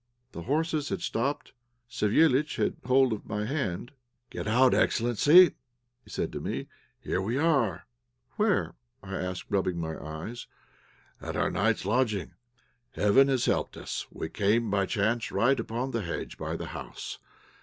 The horses had stopped; Savéliitch had hold of my hand. "Get out, excellency," said he to me; "here we are." "Where?" I asked, rubbing my eyes. "At our night's lodging. Heaven has helped us; we came by chance right upon the hedge by the house.